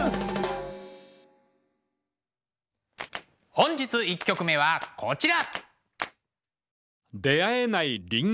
本日１曲目はこちら。